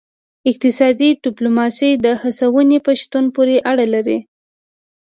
اقتصادي ډیپلوماسي د هڅونې په شتون پورې اړه لري